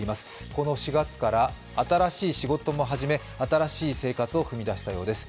この４月から新しい仕事も始め新しい生活を踏み出したようです。